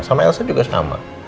sama elsa juga sama